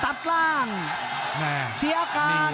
ภูตวรรณสิทธิ์บุญมีน้ำเงิน